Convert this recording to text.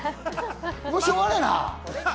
もうしょうがねえな。